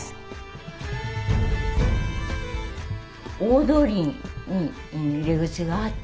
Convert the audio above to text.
大通りに入り口があって。